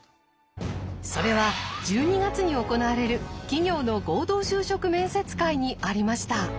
それは１２月に行われる企業の合同就職面接会にありました。